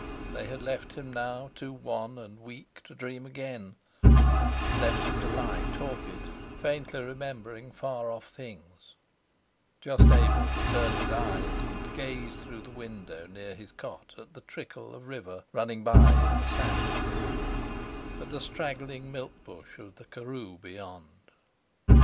They had left him now too wan and weak to dream again; left him to lie torpid, faintly remembering far off things; just able to turn his eyes and gaze through the window near his cot at the trickle of river running by in the sands, at the straggling milk bush of the Karoo beyond.